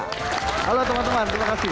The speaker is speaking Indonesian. halo teman teman terima kasih